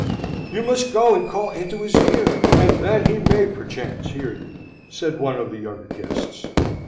"You must go and call into his ear, and then he may perchance hear you," said one of the younger guests.